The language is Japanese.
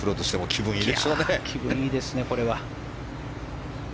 気分いいですね、これは。